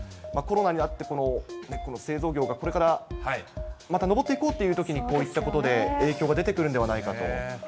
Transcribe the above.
コロナになって、製造業がこれからまた上っていこうというときに、こういったことで、影響が出てくるんではないかと。